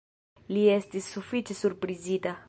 Li estis sufiĉe surprizita.